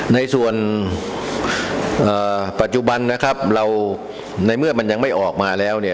ในส่วนปัจจุบันนะครับเราในเมื่อมันยังไม่ออกมาแล้วเนี่ย